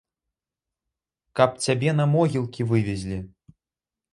Каб цябе на могілкі вывезлі!